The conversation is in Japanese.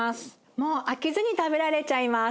もう飽きずに食べられちゃいます。